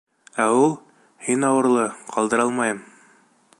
Ә ул: «һин ауырлы, ҡалдыра алмайым...»